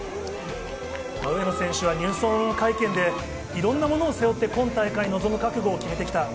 上野選手は入村会見でいろんなものを背負って今大会に臨む覚悟で来た。